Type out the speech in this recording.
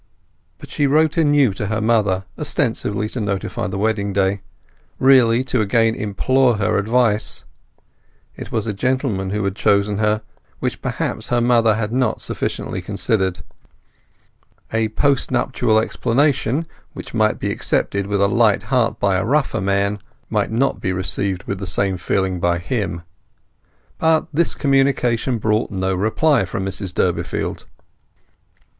But she wrote anew to her mother, ostensibly to notify the wedding day; really to again implore her advice. It was a gentleman who had chosen her, which perhaps her mother had not sufficiently considered. A post nuptial explanation, which might be accepted with a light heart by a rougher man, might not be received with the same feeling by him. But this communication brought no reply from Mrs Durbeyfield.